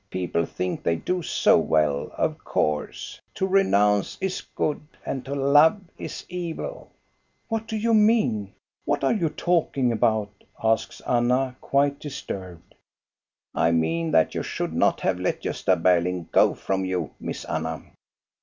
People think they do so well, of course; to renounce is good, and to love is evil." "What do you mean? What are you talking about ?" asks Anna, quite disturbed. "I mean that you should not have let Gosta Berling go from you, Miss Anna."